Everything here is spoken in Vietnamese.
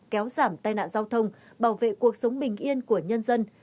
kéo giảm tai nạn giao thông bảo vệ cuộc sống bình yên của nhân dân